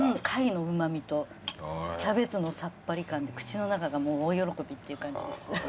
貝のうま味とキャベツのさっぱり感で口の中が大喜びっていう感じです。